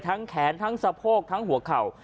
แขนทั้งสะโพกทั้งหัวเข่า